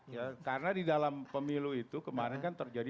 ya karena di dalam pemilu itu kemarin kan terjadi